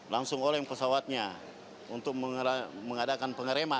langsung oleng pesawatnya untuk mengadakan pengereman